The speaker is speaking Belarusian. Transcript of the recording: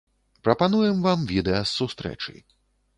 Прапануем вам відэа з сустрэчы.